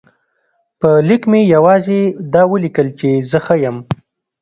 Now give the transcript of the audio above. په لیک کې مې یوازې دا ولیکل چې زه ښه یم.